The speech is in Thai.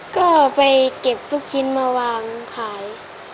ก็ไปเก็บลูกชิ้นมาวางขาย